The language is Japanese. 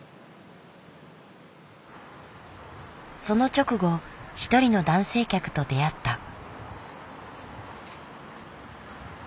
その直後一人の男性客と出会った。